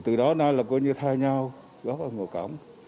thì từ đó nay là coi như thay nhau góp ở ngôi cổng